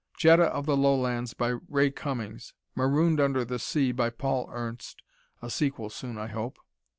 "Jetta of the Lowlands," by Ray Cummings, "Marooned Under the Sea," by Paul Ernst (a sequel soon, I hope).